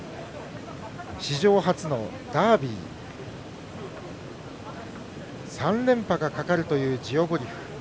史上初のダービー３連覇がかかるというジオグリフ。